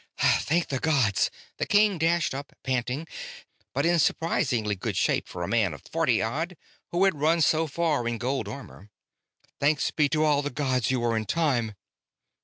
"Thank the gods!" The king dashed up, panting, but in surprisingly good shape for a man of forty odd who had run so far in gold armor. "Thanks be to all the gods you were in time!"